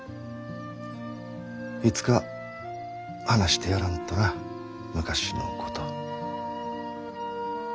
いつか話してやらんとな昔のこと。